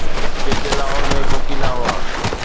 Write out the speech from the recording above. جيڪي لاهور ۾ پوکيندا هئا.